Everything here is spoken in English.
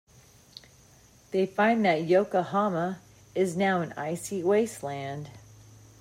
They find that Yokohama is now an icy wasteland.